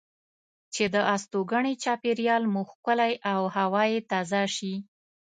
چې د استوګنې چاپیریال مو ښکلی او هوا یې تازه شي.